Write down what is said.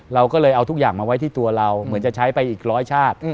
เราก็เลยเอาทุกอย่างมาไว้ที่ตัวเราเหมือนจะใช้ไปอีกร้อยชาติ